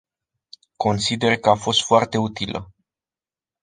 Consider că a fost foarte utilă.